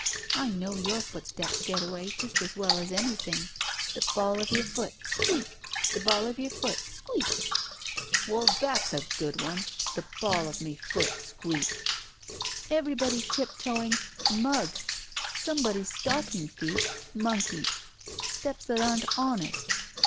I know your footsteps, Getaway, just as well as anjrthing. The ball of y our f oot — squeak ! The ball of your f oot — squeak!" Well, that's a good one! The ball of me foot — squeak!" "Everybody tiptoeing! Muggs! Somebody's stocking feet ! Monkey's. Stq)S that aren't honest.